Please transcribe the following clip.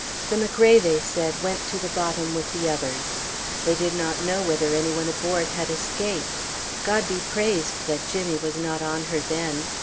The McRae, they said, went to the bottom with the others. They did not know whether any one aboard had escaped. God be praised that Jimmy was not on her then!